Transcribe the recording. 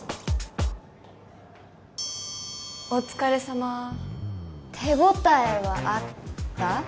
お疲れさま手応えはあった？